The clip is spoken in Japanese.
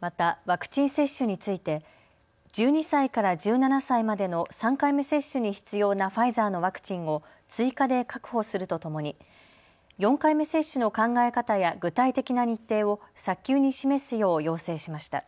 また、ワクチン接種について１２歳から１７歳までの３回目接種に必要なファイザーのワクチンを追加で確保するとともに４回目接種の考え方や具体的な日程を早急に示すよう要請しました。